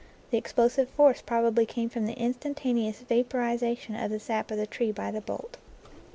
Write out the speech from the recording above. The explosive force prob ably came from the instantaneous vaporization of the sap of the tree by the bolt.